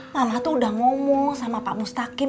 mama tuh udah ngomong sama pak mustaqim